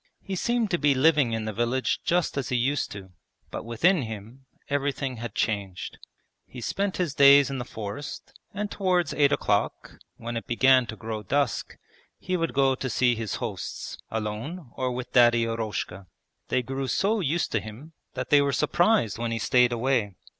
He seemed to be living in the village just as he used to, but within him everything had changed. He spent his days in the forest, and towards eight o'clock, when it began to grow dusk, he would go to see his hosts, alone or with Daddy Eroshka. They grew so used to him that they were surprised when he stayed away.